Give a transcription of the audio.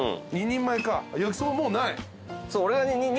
２人前か。